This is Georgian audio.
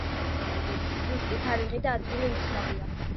მისი დაბადების ზუსტი თარიღი და ადგილი უცნობია.